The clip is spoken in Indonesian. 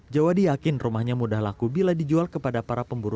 jawa di yakin rumahnya mudah laku bila dijual kepada para pemburu